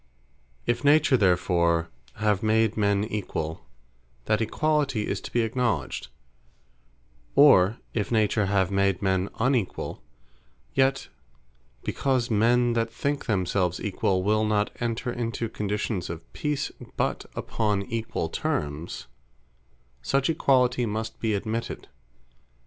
If Nature therefore have made men equall, that equalitie is to be acknowledged; or if Nature have made men unequall; yet because men that think themselves equall, will not enter into conditions of Peace, but upon Equall termes, such equalitie must be admitted.